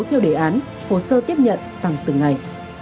theo đề án hồ sơ tiếp nhận tăng từng ngày